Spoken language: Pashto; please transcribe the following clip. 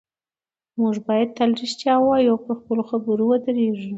موږ باید تل رښتیا ووایو او پر خپلو خبرو ودرېږو